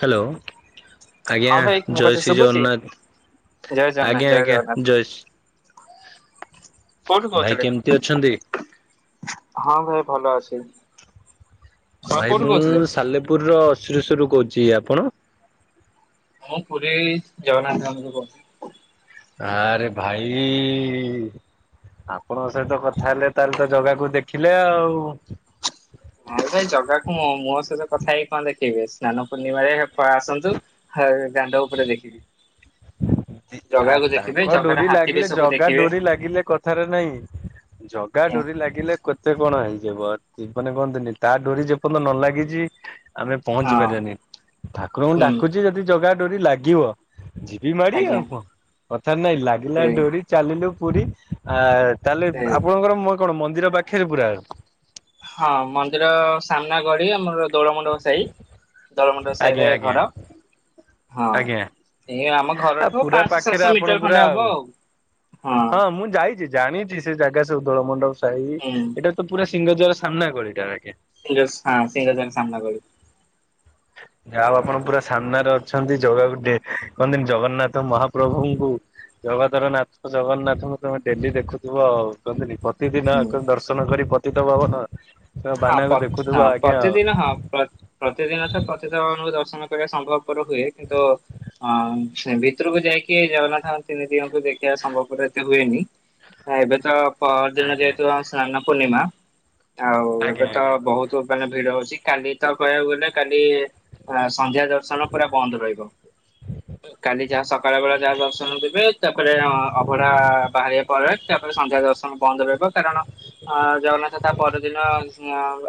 Hello. ଆଜ୍ଞା ହଁ ଭାଇ ମୋ କଥା ଜୟଶ୍ରୀ ଶୁଭୁଛି ଜଗନ୍ନାଥ ଜୟ ଜଗନ୍ନାଥ ଆଜ୍ଞା ଜୟ ଆଜ୍ଞା ଜଗନ୍ନାଥ ଜୟଶ୍ରୀ କୋଉଠି କହୁଥିଲେ? କେମିତି ଅଛନ୍ତି? ହଁ ଭାଇ ଭଲ ଅଛି। ଆପଣ ଭାଇ କୋଉଠୁ ମୁଁ କହୁଥିଲେ? ସାଲେପୁର ର ଅଶ୍ରୀେରଶ୍ୱରରୁ କହୁଛି। ଆପଣ? ମୁଁ ପୁରୀ ଜଗନ୍ନାଥ ଧାମ ରୁ କହୁଛି। ଆରେ ଭାଇ ଇ ଆପଣଙ୍କ ସହିତ କଥା ହେଲେ ତାହେଲେ ତ ଜାଗାକୁ ଦେଖିଲେ ଆଉ। ଆରେ ଭାଇ ଜଗା କୁ ମୋ ସହିତ କଥା ହେଇକି କଣ ଦେଖିବେ ସ୍ନାନ ପୂର୍ଣ୍ଣିମାରେ ଆସନ୍ତୁ। ହଉ ଦାଣ୍ଡ ଉପରେ ଦେଖିବେ। ଆ ଜଗାକୁ ତାଙ୍କ ଜଗାର ଡୋରି ହାତୀ ଲାଗିଲେ ବେଶକୁ ଜଗା ଦେଖିବେ। ଡୋରି ଲାଗିଲେ କଥାରେ ନାଇଁ ଜଗା ଡୋରି ଲାଗିଲେ କେତେ କଣ ହେଇଜୀବ ଜୀବନେ କହନ୍ତିନି ତା ଡୋରି ଯେ ପର୍ୟ୍ୟ ନ ଲାଗିଛି ଆମେ ପହଞ୍ଚି ହଁ ପାରିବାନି ଠାକୁରଙ୍କୁ ହୁଁ ଡାକୁଚ ଯଦି ଜଗା ଡୋରି ଲାଗିବ ଯିବି ମାଡି ଆଜ୍ଞା ଆଉ କଣ କଥା ରେ ନାଇଁ ଲାଗିଲା ସେଇ ଡୋରି ଚାଲିଲୁ ପୁରୀ। ଆ ତାହେଲେ ସେଇ ଆପଣଙ୍କର ମ କଣ ମନ୍ଦିର ପାଖିରେ ପୁରା? ହଁ ମନ୍ଦିର ସାମ୍ନା ଗଳି ଆମର ଦୋଳମଣ୍ଡପ ସାହି ଦୋଳମଣ୍ଡପ ସାହି ଆଜ୍ଞା ରେ ଆଜ୍ଞା ଘର। ହଁ ଆଜ୍ଞା ଏଇ ଆମ ଆ ଘରଠୁ ପୁରା ପାଞ୍ଚଶହ ପାଖରେ ସାତଶହ ମିଟର ଆପଣ ଖଣ୍ଡେ ପୁରା ହବ ଆଉ। ହଁ ମୁଁ ଯାଇଛି। ଜାଣିଛି ସେ ଜାଗା ସବୁ ଦୋଳ ମଣ୍ଡପ ସାହି ହୁଁ ଏଇଟା ତ ପୁରା ସିଂହଦ୍ଵାର ସାମ୍ନା ଗଳିଟା ବାଗେ ସି ହଁ [unintelligible] ସିଙ୍ଗ ଦ୍ଵାର ସାମ୍ନା ଗଳି। ଯାହା ହଉ ଆପଣ ପୁରା ସାମ୍ନାରେ ଅଛନ୍ତି ଜଗାକୁ କହନ୍ତିନି ଜଗନ୍ନାଥ ମହାପ୍ରଭୁଙ୍କୁ ଜଗତର ନାଥ ଜଗନ୍ନାଥଙ୍କୁ ତମେ ଡେଲି ଦେଖୁଥିବ ଆଉ। କହନ୍ତିନି ପତି ଦିନ ହୁଁ ଆ ଦର୍ଶନ କରି ପତିତ ବାବନ। ହଁ ପ୍ର ହଁ ପ୍ରତିଦିନ ହଁ। ପ୍ର ପ୍ରତିଦିନ ତ ପତିତ ବାବନ ଦର୍ଶନ କରିବା ସମ୍ଭବ ପର ହୁଏ। କିନ୍ତୁ ହଁ ସେ ଭିତରକୁ ଯାଇକି ନଜଗନ୍ନାଥ ଙ୍କ ତିନି ଦିଅଙ୍କୁ ଦେଖି ଖିବା ସମ୍ଭବରେ ଏତେ ହୁଏନି। ଏବେ ତ ପରଦିନ ଆଜ୍ଞା ଯେହେତୁ ସ୍ନାନ ପୂର୍ଣ୍ଣିମା। ଆଉ ଆଜ୍ଞା ଏବେ ତ ଆଜ୍ଞା। ବହୁତ ମାନେ ଭିଡ ହଉଛି କାଲି ତ କହିବାକୁ ଗଲେ କାଲି ହ ସନ୍ଧ୍ୟା ଦର୍ଶନ ପୁରା ବନ୍ଦ ରହିବ। କାଲି ଯାହା ସକାଳ ବେଳେ ଯାହା ଦର୍ଶନ ଦେବେ, ତାପରେ ଅଭଢା ବାହାରିବା ପରେ ତାପରେ ସନ୍ଧ୍ୟା ଦର୍ଶନ। ବନ୍ଦ ରହିବ। କାରଣ ଅ ଜଗନ୍ନାଥ ତା ପରଦିନ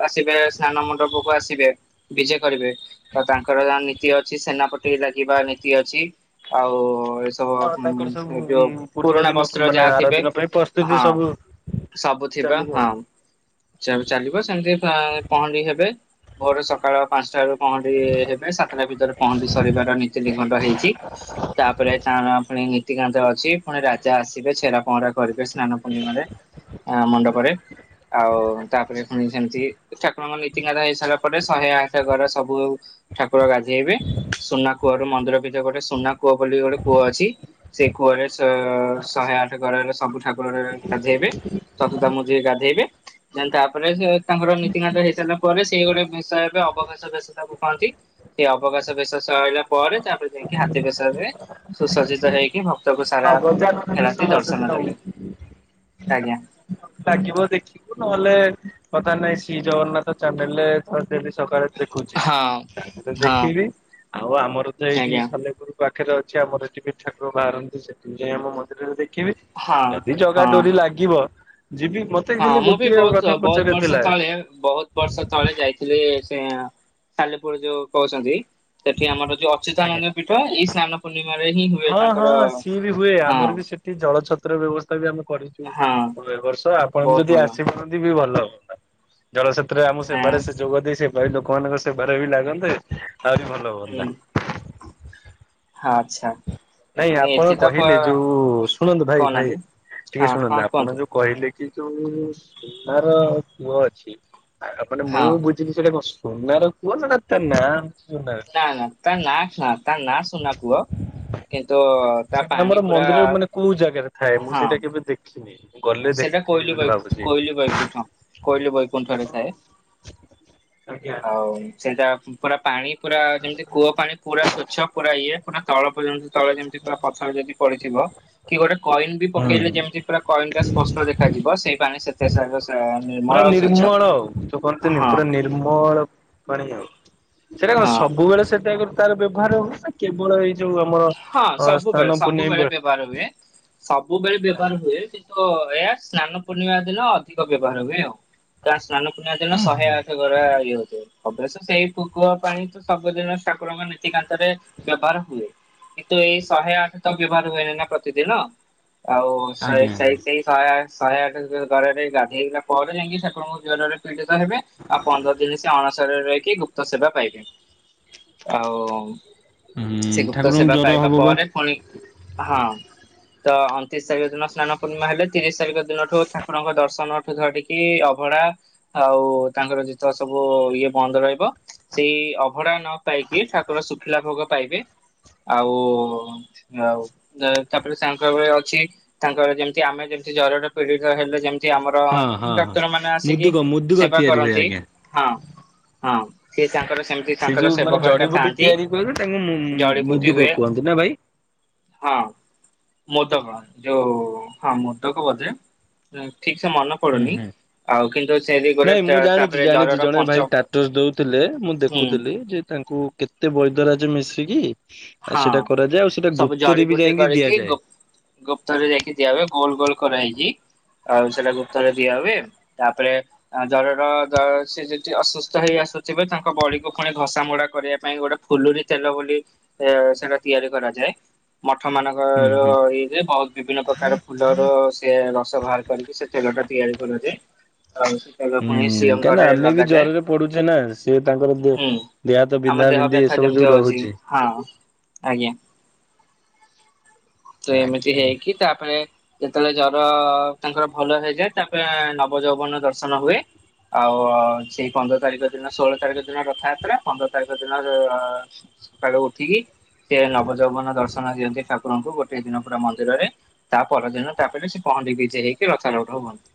ଆସିବେ ସ୍ନାନ ମଣ୍ଡପକୁ ଆସିବେ ବିଜେ କରିବେ ତ ତାଙ୍କର ଯ ନୀତି ଅଛି ସେନାପ ଲାଗିବା ନୀତି ଅଛି। ଆଉ ହଁ ତାଙ୍କର ସବୁ ତ ଯୋଉ ପୂର୍ବ ପୁରୁଣା ଦିନ ବସ୍ତ୍ର ମାନେ ଯାହା ଆର ଥିବେ। ଦିନ ପାଇଁ ପ୍ରସ୍ତୁତି ହଁ ସବୁ ସବୁ ଥିବା ଚାଲିବ ଆଉ। ହଁ। ଚା- ଚାଲିବ ସେମିତି ତ ପହଁଡି ହେବେ, ଭୋରୁ ସକାଳ ପାଞ୍ଚଟା ରୁ ପହଣ୍ଡି ହେବେ। ସାତଟା ଭିତରେ ପହଣ୍ଡି ସରିବାର ନୀତି ଖଣ୍ଡ ହୋଇଛି। ତାପରେ ତାର ପୁଣି ନୀତିକାନ୍ତ ଅଛି ପୁଣି ରାଜା ଆସିବେ ଛେରା ପହଁରା କରିବେ ସ୍ନାନ ପୂର୍ଣ୍ଣିମାରେ ମଣ୍ଡପରେ, ଆଉ ତାପରେ ପୁଣି ସେମିତି ଠାକୁରଙ୍କ ନୀତିକାନ୍ତ ହେଇ ସାରିଲା ପରେ ଶହେ ଆଠ ଘର ସବୁ ଠାକୁର ଗାଧେଇବେ। ସୁନା କୂଅରୁ ମନ୍ଦିର ଭିତରେ ଗୋଟେ ସୁନା କୂଅ ବୋଲି ଗୋଟେ କୂଅ ଅଛି। ସେ କୁଅରେ ସ-ଶହେ ଆଠ ଘରରେ, ସବୁ ଠାକୁରରେ ଗାଧେଇବେ ସତତା ମଝିରେ ଗାଧେଇବେ ତାପରେ ସେ ତାଙ୍କର ନୀତି କାନ୍ତ ହେଇସାରିଲା ପରେ, ସେଇ ଗୋଟେ ବିଷୟ ଏବେ ଅବକାଶ ବେଶ ତାକୁ କହନ୍ତି। ସେ ଅବକାଶ ବେଶ ସରିଲା ପରେ, ତାପରେ ଯାଇକି ହାତୀ ବେଶ ହେବେ ସୁସଜିତ ହେଇକି ଭକ୍ତକୁ ହଁ ସାରା ଗଜାନନ ବି ରାତି ଦର୍ଶନ ସେଦିନ ଦେବେ। ଆଜ୍ଞା। ଲାଗିବ ଦେଖିବୁ। ନହେଲେ ବର୍ତ୍ତମାନ ଶ୍ରୀ ଜଗନ୍ନାଥ ଚ୍ୟାନେଲରେ ଡେଲି ସକାଳେ ଦେଖୁଛି। ହଁ ତାପରେ ହଁ ଦେଖିବି ଆଉ ଆମର ତ ଏଇଠି ଆଜ୍ଞା। ସାଲେପୁର ପାଖରେ ଅଛି ଆମର ଏଠି ବି ଠାକୁର ବାହାରନ୍ତି ସେଠି ଯାଇ ଆମ ମନ୍ଦିରରେ ଦେଖିବି। ହଁ ଯଦି ଜଗା ହଁ ଡୋରି ଲାଗିବ ଯିବି। ମତେ ହଁ ଖାଲି ମୁଁ ବି ଗୋଟିଏ ବହୁତ, କଥା ବୋହୁତ୍ ପଚାରିବାର ବର୍ଷ ଥିଲା। ତଳେ, ବହୁତ ବର୍ଷ ଥରେ ଯାଇଥିଲି ସେ ସାଲେପୁର ଯୋଉ କହୁଛନ୍ତି ସେଠି ଆମର ଯୋଉ ଅଚ୍ୟୁତ ଆଜ୍ଞା ନନ୍ଦ ପୀଠ ଏଇ ସ୍ନାନ ପୂର୍ଣ୍ଣିମାରେ ହିଁ ହୁଏ ତାଙ୍କର ହଁ କି ଜଳଛ ଛତ୍ର ବ୍ୟବସ୍ଥା ବି ଆମେ କରିଛୁ, ହଁ ଏ ବର୍ଷ ଆପଣ ବି ବହୁତ ଯଦି ଭଲ। ଆସିପାରନ୍ତି ବି ଭଲ ହଅନ୍ତା। ଜଳ ସେତ୍ରରେ ଆମକୁ ଆଁ, ସେବାରେ ସେ ଯୋଗ ଦେଇ ସେ ଲୋକମାନଙ୍କ ସେବାରେ ବି ଲାଗନ୍ତେ ଆଉରି ଭଲ ହୁଁ ହୁଅନ୍ତା ହଁ ଆଛା। ନାଇଁ ଆପଣ କହିଲେ ଯୋଉ, ଶୁଣନ୍ତୁ ଭାଇ ଭାଇ କହୁନାହାନ୍ତି ଟିକେ ହଁ ହଁ ଶୁଣନ୍ତୁ ଆପଣ କୁହନ୍ତୁ ଯୋଉ କହିଲେ କି ଯୋଉ ସୁନାର କୂଅ ଅଛି, ମାନେ ହଁ ମୁଁ ବୁଝ ସେଟା କଣ ସୁନାର କୂଅ ନା ତା ନାଁ ଅଛି ସୁନା ନା ନା ତା ନା ତା ନାଁ ସୁୁନା କୂଅ। କିନ୍ତୁ ତା ସେଇଟା ପାଣି ଆମର ପୁରା ମନ୍ଦିର ମାନେ କୋଉ ଜାଗାରେ ଥାଏ? ମୁଁ ହଁ ସେଇଟା କେବେ ଦେଖି ସେଟା କୋଇଲି ବୈ- କୋଇଲି ବୈକୁଣ୍ଠ, କୋଇଲି ବୈକୁଣ୍ଠରେ ଥାଏ। ଆଜ୍ଞା। ଆଉ ସେଇଟା ପୁରା ପାଣି ପୁରା, ଯେମିତି କୂଅ ପାଣି ପୁରା ସ୍ଵଚ୍ଛ ପୁରା ଇଏ ପୁରା ତଳ ପର୍ଯ୍ୟନ୍ତ ତଳ ଯେମିତି ପୁରା ପଥରେ ଯଦି ପଡିଥିବ। କି ଗୋଟେ କଏନ ବି ହୁଁ ପକେଇଲେ ଯେମିତି ପୁରା କଏନ ଟା ସ୍ପଷ୍ଟ ଦେଖାଯିବ ସେଇ ପାଣି ସେତେ ସେ ପୁରା ନିର୍ମଳ ଆଉ, ତ କହନ୍ତିୁନି ହଁ ପୁରା ନିର୍ମଳ ପାଣି ଆଉ। ସେଇଟା କଣ ହଁ। ସବୁବେଳେ ସେଟା ତାର ବ୍ୟବହାର ହବ ନା କେବଳ ଏଇ ଯୋଉ ଆମର ଅ ସ୍ଥାନ ପୁନେଇଁ ବେଳେ? ବାର ହୁଏ। ସବୁବେଳେ ବ୍ୟବହାର ହୁଏ। କିନ୍ତୁ ଏହା ସ୍ନାନ ପୂର୍ଣ୍ଣିମା ଦିନ ଅଧିକ ବ୍ୟବହାର ହୁଏ ଆଉ। ତା ସ୍ନାନ ପୂର୍ଣିମା ଦିନ ଶହେ ଆଠ ଗରା ଇଏ ହେଉଥିବ। ଅଭ୍ଯସ ସେଇ କୂଅ ପାଣି ତ ସବୁଦିନ ଠାକୁରଙ୍କ ନୀତିକାନ୍ତରେ ବ୍ୟବହାର ହୁଏ। କିନ୍ତୁ ଏଇ ଶହେ ଆଠ ତ ବ୍ୟବହାର ହୁଏନି ନା ପ୍ରତିଦିନ। ଆଉ ଶହେ ଆଜ୍ଞା ଶହେ ଆଜ୍ଞା ସେଇ ଶହେ ଆଠ ଶହେ ଆଠ ଗରାରେ ଗାଧେଇଲା ପରେ, ଯାଇକି ଠାକୁରଙ୍କୁ ଜ୍ଵରରେ ଦିଗ ହେବେ ଆଉ ପନ୍ଦର ଦିନ ସେ ଅଣସର ସରରେ ରହିକି ଗୁପ୍ତ ସେବା ପାଇବେ। ଆଉ ହୁଁ। ତ ଠାକୁରଙ୍କୁ ସେବା ଜର ପାଇବା ହବ ବା। ପରେ ପୁଣି ହଁ ତ ଅଣତିରିଶ ତାରିଖ ଦିନ ସ୍ନାନ ପୂର୍ଣ୍ଣିମା ହେଲେ ତିରିଶ ତାରିଖ ଦିନଠୁ ଠାକୁରଙ୍କ ଦର୍ଶନ ଠୁ ଧରିକି। କି ଅଭଢା ଆଉ ତାଙ୍କର ଯେତ ସବୁ ଇଏ ବନ୍ଦ ରହିବ। ସେଇ ଅଭଢା ନ ପାଇକି ଠାକୁର ଶୁଖିଲା ଭୋଗ ପାଇବେ। ଆଉ ଆଉ। ତାପରେ ତାଙ୍କ ଅଛି ତାଙ୍କ ଯେମିତି ଆମେ ଯେମିତି ଜରରେ ପୀଡିତ ହେଲେ ଯେମତି ଠ ଆମର ହଁ ହଁ ହଁ ଡାକ୍ଟର ମାନେ ଆସିକି ମୁଦୁକ ମୁଦୁକ ସେବା ତିଆରି ହୁଏ କରନ୍ତି ଆଜ୍ଞା। ହଁ। ହଁ ସିଏ ତାଙ୍କର ସେମିତି ସେ ତାଙ୍କର ଯୋଉ ମାନେ ସେବକା ହରିକା ଥାଆନ୍ତି ଜଡିିବୁ ଦୁ କ କୁହନ୍ତୁ ନା ଭାଇ ହଁ ମୋଦକ ଯୋଉ ହଁ ମୋଦକ ବଜେ ଠିକ ସେ ମନ ହୁଁ କୁରୁନି ହୁଁ। ନାଇଁ ମୁଁ ଜାଣିଛି ଜାଣିଛି ଜରର ଜଣେ ପଞ୍ଚ ଭାଇ ଷ୍ଟାଟସ୍ ଦଉଥିଲେ ମୁଁ ହୁଁ ଦେଖୁଥିଲି ଯେ ତାଙ୍କୁ କେତେ ବୈଦ୍ୟରାଜ ମିଶିକି ଆଉ ହଁ ସେଟା କରାଯାଏ ଆଉ ସେଟା ସବୁ ଗୁପ୍ତ ରେ ବି ଜଡିବୁଟି ଯାଇଁକି କରିକି ଦିଆଯାଏ। ଗୁ- ଗୁପ୍ତରେ ଯାଇକି ଦିଆ ହୁଏ ଗୋଲ୍ ଗୋଲ୍ କରାହେଇକି ଆଉ ସେଟା ଗୁପ୍ତ ରେ ଦିଆହୁଏ ତାପରେ। ଆ ଜରର ଜରରେ ସେ ଯଦି ଅସୁସ୍ଥ ହେଇ ଆସୁଥିବେ ତାଙ୍କ ବଡ଼ିକୁ ଖଣ୍ଡେ ଘସାମୋଡ଼ା କରିବା ପାଇଁ ଗୋଟେ ଫୁଲୁରି ତେଲ ବୋଲି ଏ ସେଟା ତିଆରି କରାଯାଏ ମଠ ହୁଁ ମାନଙ୍କର ହୁଁ ଇଏ ଯେ ବହୁତ୍ ବିଭିନ୍ନ ପ୍ରକାର ଫୁଲର ସେ ରସ ବାହାର କରିକି ସେ ତେଲ ଟା ତିଆରି କରାଯାଏ। ଆ ସେ ତେଲ ଫୁଣି ହୁଁ କାହିଁନା ସିଅଙ୍କରେ ଆମେ ବି ଲଗାଯାଏ। ଜରରେ ପଡୁଛେ ନା ସିଏ ତାଙ୍କର ଦେ ହୁଁ ଦେହ ହାତ ବିନ୍ଧା ଆମ ବିନ୍ଧି ଦେହବ୍ୟଥା ଏସବୁ ଯୋଉ ଯେମିତି ହଉଛି ରହୁଛି ହଁ। ଆଜ୍ଞା। ସିଏ ଏମିତି ହେଇକି ତା ମାନେ ଯେତେବେଳେ ଜର ତାଙ୍କର ଭଲ ହେଇଯାଏ ତାପରେ ନବ ଯଉବନ ଦର୍ଶନ ହୁଏ। ଆଉ ସେଇ ପନ୍ଦର ତାରିଖ ଦିନ ଷୋଳ ତାରିଖ ଦିନ ପନ୍ଦର ତାରିଖ ଦିନ [unintelligible] ସକାଳୁ ଉଠିକି ସିଏ ନବ ଯଉବନ ଦର୍ଶନ ଦିଅନ୍ତି ଠାକୁରଙ୍କୁ ଗୋ ସେଇ ଦିନ ପୁରା ମନ୍ଦିରରେ ତା ପର ଦିନ ତାପରେ ସେ ପହଣ୍ଡି ବିଜେ ହେଇକି ରଥରୁଢ଼ ହୁଅନ୍ତି।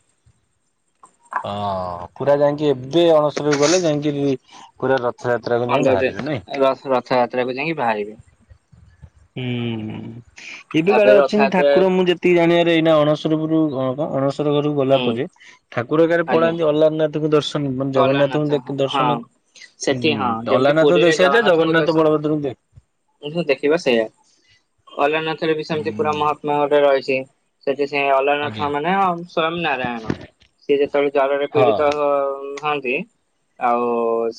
ହଁ ପୁରା ଯାଇକି ଏବେ ଅଣସର କୁ ଗଲେ ଯାଇଁକିରି ପୁରା ରଥଯାତ୍ରାକୁ ଯାଇଁ ବାହାରିବେ ନାଇଁ? ରସ୍ ରଥ ରଥଯାତ୍ରାକୁ ଯାଇକି ବାହାରିବେ। ହୁଁ ଏବେ କାଳେ ତାପରେ ଅଛନ୍ତି ରଥଯାତ୍ରା ଠାକୁର ମୁଁ ଯେତେ ଜାଣିବାରେ ଏଇନା ଅଣସରପୁରରୁ କ କଣ ଅଣସର ପୁରକୁ ଗଲା ହୁଁ ପରେ ଠାକୁର କାରେ ଆଜ୍ଞା। ପଳାନ୍ତି ଅଲାରନାଥ କୁ ଦର୍ଶନ ମାନେ ଅଲାରନାଥ ଜଗନ୍ନାଥଙ୍କୁ ଦେଖି ହଁ ଦର୍ଶନ ସେଠି ହୁଁ ହଁ ଯେମିତି ଦଲାରନାଥ ପୁରୀରେ ଦେଖି ସାରିଛେ ଜଗନ୍ନାଥ ବଳଭଦ୍ରଙ୍କୁ ଦେ ଏଇ ଯୋଉ ଦେଖିବା ସେଇଆ ଅଲାରନାଥ ବି ସେମିତି ପୁରା ମହାତ୍ମା ଗୋଟେ ରହିଛି ସେଠି ସେ ଅଲରାନାଥ ଆଜ୍ଞା ମାନେ ସ୍ଵୟଂ ନାରାୟଣ ସିଏ ଯେତେବେଳେ ଜରରେ ହଁ। ପୀଡ଼ିତ ହଉ ଥାଆନ୍ତି ଆଉ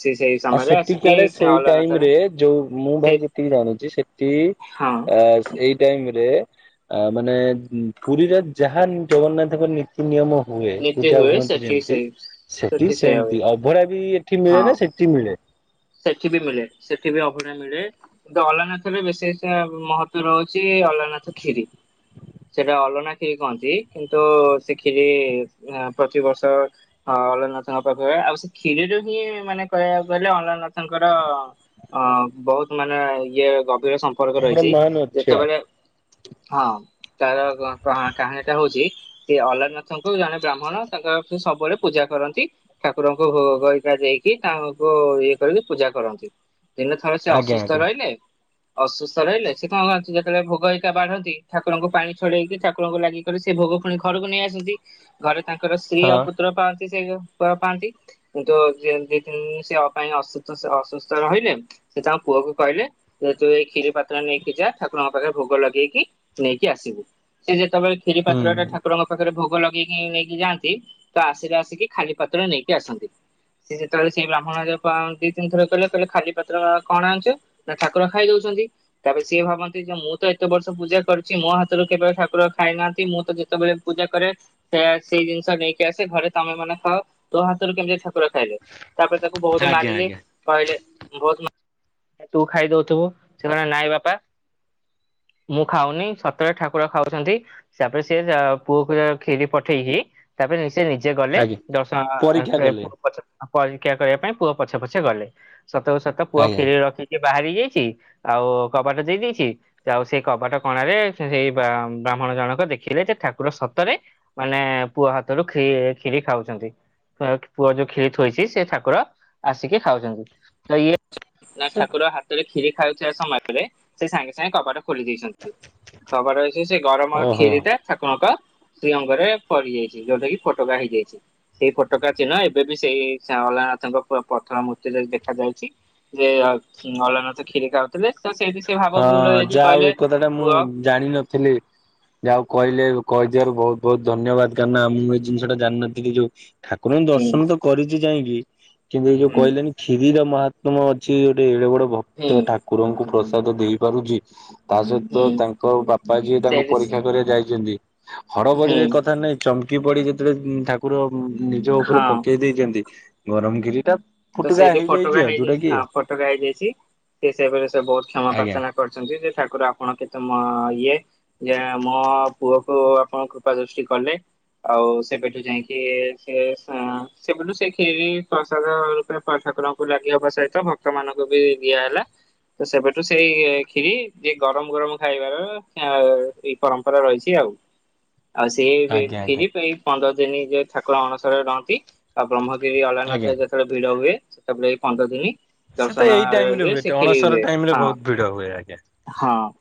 ସିଏ ସେଇ ଆଉ ସମୟରେ ସେଠି ଆସିକି କାଳେ ସେଇ ଟାଇମ ଅଲାରନାଥ ରେ ଯୋଉ ମୁଁ ଭାଇ ଯେତିକି ଜାଣିଚି ସେତିକି ହଁ। ଆ ସେଇ ଟାଇମ୍ ରେ ମାନେ ପୁରୀ ରେ ଯାହା ଜଗନ୍ନାଥଙ୍କର ନୀତି ନିୟମ ହୁଏ ନୀତି ପୂଜା ହୁଏ ହୁଅନ୍ତି ସେଠି ଯେମିତି ସେଇ ସେଠି ସେଇଆ ହୁଏ ସେମ୍ତି ଅବଢ଼ା ବି ଏଠି ହଁ ମିଳେନା ସେଠି ମିଳେ। ସେଠି ବି ମିଳେ ସେଠି ବି ଅବଢ଼ା ମିଳେ ତ ଅଲାନାଥରେ ବେଶୀ ସେ ମହତ୍ବ ରହୁଛି ଅଲାରନାଥ କ୍ଷୀରି। ସେଟା ଅଲଣା ଖିରି କୁହନ୍ତି କିନ୍ତୁ ସେ ଖିରି ପ୍ରତିବର୍ଷ ହଁ ଅଲରାନାଥଙ୍କ ପାଖରେ ଆଉ ସେ କ୍ଷୀରିରେ ବି ମାନେ କହିବାକୁ ଗଲେ ଅଲାରନାଥ ତାଙ୍କର ଅ ବହୁତ ମାନେ ଇଏ ଗଭୀର ସମ୍ପ ସମ୍ପର୍କ ଗୋଟେ ରହିଚି ମହାନ ଅଛି ଆ ଯେତେବେଳେ ହଁ ତାର କ କାହାଣୀ ଟା ହଉଚି। ସିଏ ଅଲାରନାଥଙ୍କୁ ଜଣେ ବ୍ରାହ୍ମଣ ତାଙ୍କର ସବୁବେଳେ ପୂଜା କରନ୍ତି। ଠାକୁରଙ୍କୁ ଭୋଗ ହେରିକା ଦେଇକି ତାଙ୍କୁ ଇଏ କରିକି ପୂଜା କରନ୍ତି। ଦିନେ ଥରେ ସିଏ ଆଜ୍ଞା ଅସୁସ୍ଥ ଆଜ୍ଞା ରହିଲେ। ଅସୁସ୍ଥ ରହିଲେ। ସେ କଣ କରନ୍ତି ଯେତେବେଳେ ଭୋଗ ହେରିକା ବାଢ଼ନ୍ତି ଠାକୁରଙ୍କୁ ପାଣି ଛଡେ଼ଇକି ଠାକୁରଙ୍କୁ ଲାଗି କରି ସେ ଭୋଗ ପୁଣି ଘରକୁ ନେଇ ଆସନ୍ତି। ଘରେ ତାଙ୍କର ସ୍ତ୍ରୀ ହଁ ଆଉ ପୁତ୍ର ପାଆନ୍ତି। ସେଇଉ ଘରେ ପାଆନ୍ତି କିନ୍ତୁ ଦି-ଦି ତିନି ସେ ଅ ପାଇଁ ଅସୁ ତ ସେ ଅସୁସ୍ଥ ରହିଲେ। ସେ ତାଙ୍କ ପୁଅକୁ କହିଲେ ଯେ ତୁ ଏଇ କ୍ଷୀରି ପାତ୍ର ନେଇକି ଯା ଠାକୁରଙ୍କ ପାଖରେ ଭୋଗ ଲଗେଇକି ନେଇକି ଆସିବୁ ସେ ଯେତେବେଳେ କ୍ଷୀରି ପାତ୍ର ହୁଁ ଟା ଠାକୁରଙ୍କ ପାଖରେ ଭୋଗ ଲଗେଇ ଇଁ ନେଇକି ଯାଆନ୍ତି ତ ଆସିଲେ ଆସିକି ଖାଲି ପାତ୍ର ନେଇକି ଆସନ୍ତି। ସେ ଯେତେବେଳେ ସେ ବ୍ରାହ୍ମଣ ଏରାଙ୍କୁ ଖୁଆଁ ଦି ତିନିଥର କହିଲେ କହିଲେ ଖାଲିପାତ୍ର କଣ ଆଣିଚ। ନା ଠାକୁର ଖାଇ ଦଉଚନ୍ତି। ତା ପରେ ସିଏ ଭାବନ୍ତି ଯେ ମୁଁ ତ ଏତେ ବର୍ଷ ପୂଜା କରୁଚି ମୋ ହାତରୁ କେବେ ଠାକୁର ଖାଇନାହାଁନ୍ତି। ମୁଁ ତ ଯେତେବେଳେ ପୂଜା କରେ ସେ ସେଇ ଜିନିଷ ନେଇକି ଆସେ ଘରେ ତମେ ମାନେ ଖାଅ। ତୋ ହାତରୁ କେମିତି ଠାକୁର କୁର ଖାଇଲେ ତା ପରେ ତାକୁ ବହୁତ ଆଜ୍ଞା ମାରିଲେ। ଆଜ୍ଞା କହିଲେ ବହୁତ ମା ତୁ ଖାଇଦଉଥିବୁ ସେ କହିଲା ନାଇଁ ବାପା। ମୁଁ ଖାଉନି ସତରେ ଠାକୁର ଖାଉଚନ୍ତି। ତା ପରେ ସିଏ ଯା ପୁଅକୁ ଅ କ୍ଷୀରି ପଠେଇକି ତା ପରେ ନି ସେ ନିଜେ ଗଲେ ଆଜ୍ଞା ଦର୍ଶ ଆ ପରୀକ୍ଷା କଲେ ସେପଟୁ ପଛ ପଟୁ ପରୀକ୍ଷା କରିବା ପାଇଁ। ପୁଅ ପଛେ ପଛେ ଗଲେ ସତ କୁ ସତ ପୁଅ ଆଜ୍ଞା କ୍ଷୀରି ରଖିକି ବାହାରି ଯାଇଚି ଆଉ କବାଟା ଦେଇ ଦେଇଚି। ଆଉ ସେଇ କବାଟ କଣାରେ ସେଇ ବ୍ରା-ବ୍ରାହ୍ମଣ ଜଣକ ଦେଖିଲେ ଯେ ଠାକୁର ସତରେ ମାନେ ପୁଅ ହାତରୁ କ୍ଷୀ-କ୍ଷୀରି ଖାଉଚନ୍ତି। ୟକ୍ ପୁଅ ଯୋଉ କ୍ଷୀରି ଥୋଇଚି ସେ ଠାକୁର ଆସିକି ଖାଉଚନ୍ତି। ତ ଇଏ ନା ସେ ଠାକୁର ହା ତ ରେ କ୍ଷୀରି ଖାଉଥିବା ସମୟରେ ସେ ସାଙ୍ଗେ ସାଙ୍ଗେ କବାଟ ଖୋଲି ଦେଇଚନ୍ତି କବାଟ ଅଛି ସେ ଗରମ ଓହୋ କ୍ଷୀରି ଟା ଠାକୁରଙ୍କ ଶ୍ରୀ ଅଙ୍ଗରେ ପଡି ଯାଇଚି ଯୋଉଠା କିି ଫୋଟା ହେଇଯାଇଚି। ସେଇ ଫୋଟୋକା ଚିହ୍ନ ଏବେ ବି ସେଇ ଅଲାରନାଥଙ୍କ ପୁରା ପଥର ମୂର୍ତ୍ତିରେ ଦେଖାଯାଇଚି। ଯେ ଅଲାର ନାଥ କ୍ଷୀର ଖାଉ ଉଥିଲେ ସେଇଠି ସିଏ ହଁ ଭାବବିହ୍ୱଳ ହେଇକି ଯାହା ହଉ ଏ କହିଲେ କଥାଟା ପୁଅ ଜାଣିନଥିଲି। ଯାହା ହଉ କହିଲେ କହିଥିବାରୁ ବହୁତ ବହୁତ ଧନ୍ୟବାଦ। କାରଣ ନା ମୁଁ ଏଇ ଜିନିଷ ଟା ଜାଣିନଥିଲି ଯୋଉ ଠାକୁରଙ୍କୁ ହୁଁ ଦର୍ଶନ ତ କରିଚି ଯାଇଁକି କିନ୍ତୁ ଏଇ ଯୋଉ ହୁଁ କହିଲେନି କ୍ଷୀରି ର ମହାତ୍ମ ଅଛି ଗୋଟେ ଏଡେ ବଡ ହୁଁ ଭକ୍ତ ଠାକୁରଙ୍କୁ ପ୍ରସାଦ ଦେଇପାରୁଚି। ତା ସହିତ ହୁଁ ତାଙ୍କ ବାପା ଯିଏ ତାଙ୍କୁ ସେଇଠି ପରୀକ୍ଷା କରିବା ଯାଇଚନ୍ତି ହଡ ହୁଁ ବଡିରେ କଥା ନାଇଁ ଚମକି ପଡି ଯେତେବେଳେ ଉଁ ଠାକୁର ନିଜ ଉପରେ ହଁ ପକେଇ ଦେଇଚନ୍ତି। ଗରମ କ୍ଷୀରି ଟା ଫୁଟକା ହେଇଯାଇଚି ଆଉ। ଯୋଉଟା କି ଫୋଟକା ହେଇଯାଇଚି। ସେ ସେପ ରେ ସେ ବହୁତ କ୍ଷମା ଆଜ୍ଞା ପ୍ରାର୍ଥନା କରିଚନ୍ତି ଯେ ଠାକୁର ଆପଣ କେତେ ମ ଇଏ ଯେ ମୋ ପୁଅ ଆପଣ କୃପା ସୃଷ୍ଟି କଲେ। ଆଉ ସେବେଠୁ ଯାଇଁକି ସେ ସ ସେବେଠୁ ସେ କ୍ଷୀରି ପ୍ରସାଦ ରୁ ରୂପେ ଠାକୁରଙ୍କୁ ଲାଗି ହବା ସହିତ ଭକ୍ତମାନଙ୍କୁ ବି ଦିଆ ହେଲା। ତ ସେବେଠୁ ସେଇ କ୍ଷୀରି ଯିଏ ଗରମ ଗରମ ଖାଇବାର ଏ ଏଇ ପରମ୍ପରା ରହିଚି ଆଉ। ଆଉ ସିଏ ବି ଆଜ୍ଞା ଆଜ୍ଞା କ୍ଷୀରି ପେଇ ପନ୍ଦର ଦିନ ଯୋଉ ଠାକୁର ଅଣସ ରରେ ଯେତେବେଳେ ରହନ୍ତି। ଆଉ ବ୍ରହ୍ମଗିରି ଅଲରନାଥ ଆଜ୍ଞା ରେ ସେତେବେଳେ ଭିଡ ହୁଏ ସେତେବେଳେ ଏଇ ପନ୍ଦର ଦିନି ସେ ତ ଦର୍ଶନ ଏଇ ଟାଇମ ଅ ରେ ହୁଏ ସେ କ୍ଷୀରି ଅଣସର ବୁ ହୁଏ ଟାଇମ ରେ ବହୁତ ହଁ ଭିଡ ହୁଏ ଆଜ୍ଞା। ହଁ।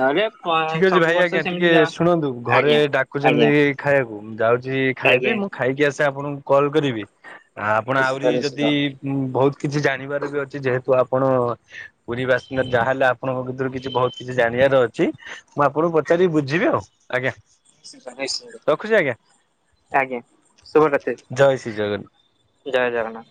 ନହେଲେ ପାଂ ଠିକ ଅଛି ଭାଇ ଆଜ୍ଞା ଟିକେ ଶୁଣନ୍ତୁ ଘରେ ଆଜ୍ଞା ଡାକୁଚନ୍ତି ଆଜ୍ଞା ଖାଇବାକୁ। ମୁଁ ଯାଉଚି ଖାଇବି ଆଜ୍ଞା। ମୁଁ ଖାଇକି ଆସେ ଆପଣଙ୍କୁ କଲ୍ କରିବି ଆ ଆପଣ ନିଶ୍ଚିତ ଆହୁରି ନିଶ୍ଚିତ ଯଦି ହୁଁ ବହୁତ କିଛି ଜାଣିବାର ବି ଅଛି ଯେହେତୁ ଆପଣ ପୁରୀ ବାସିନ୍ଦା ଯାହା ହେଲେ ଆପଣଙ୍କ ଭିତରୁ କିଛି ବହୁତ ଚି ଜାଣିବାର ଅଛି ମୁଁ ଆପଣଙ୍କୁ ପଚାରି ବୁଝିବି ଆଉ ଆଜ୍ଞା। ରଖୁଛି ଆଜ୍ଞା [unintelligible] ଆଜ୍ଞା ଶୁଭ ରାତ୍ରି। ଜୟ ଶ୍ରୀ ଜଗନ୍ନାଥ। ଜୟ ଜଗନ୍ନାଥ।